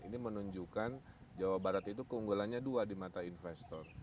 ini menunjukkan jawa barat itu keunggulannya dua di mata investor